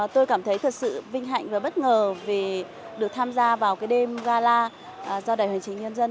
tôi cảm thấy thật sự vinh hạnh và bất ngờ vì được tham gia vào cái đêm gala do đại hội truyền hình nhân dân